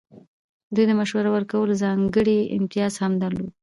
دوی د مشوره ورکولو ځانګړی امتیاز هم درلود.